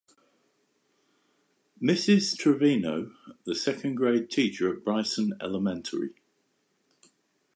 Mrs. Trevino - The second-grade teacher at Bryson Elementary.